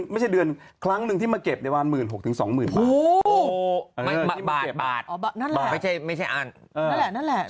ไม่ใช่เดือนครั้งนึงที่มาเก็บในวัน๑๖๐๐๐๒๐๐๐๐บาท